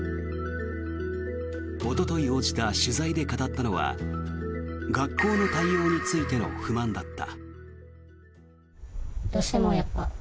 おととい応じた取材で語ったのは学校の対応についての不満だった。